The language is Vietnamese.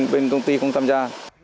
bên công ty không tham gia